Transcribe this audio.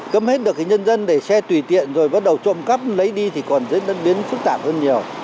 cấm hết được cái nhân dân để xe tùy tiện rồi bắt đầu trộm cắp lấy đi thì còn diễn biến phức tạp hơn nhiều